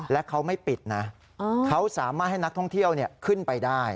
และเขาไม่ปิดนะเขาสามารถให้นักท่องเที่ยวขึ้นไปได้